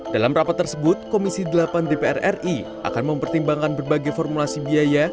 dalam rapat tersebut komisi delapan dpr ri akan mempertimbangkan berbagai formulasi biaya